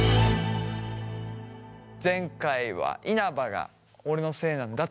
前回は稲葉が俺のせいなんだと打ち明けて。